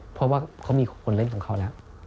เพราะว่าเขามีคนเล่นของเขาแล้ว